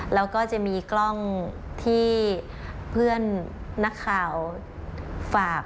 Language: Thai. แล้วก็จะมีกล้องที่เพื่อนนักข่าวฝาก